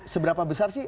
seberapa besar sih